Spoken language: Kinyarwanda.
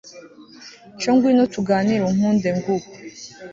cyo ngwino tuganire unkunde ngu